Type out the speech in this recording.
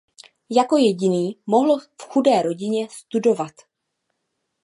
Jako jediný mohl v chudé rodině studovat.